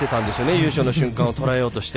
優勝の瞬間をとらえようとして。